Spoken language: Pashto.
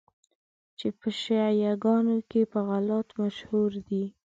چي په شیعه ګانو کي په غُلات مشهور دي.